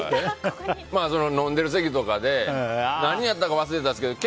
飲んでる席とかで何やったか忘れたんですけど